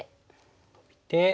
ノビて。